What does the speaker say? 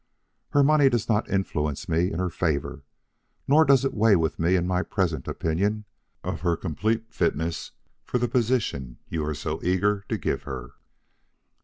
Her money does not influence me in her favor, nor does it weigh with me in my present opinion of her complete fitness for the position you are so eager to give her.